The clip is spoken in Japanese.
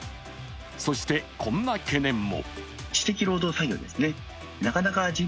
そして、こんな懸念も。